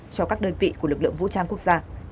cho các đơn vị của lực lượng vũ trang quốc gia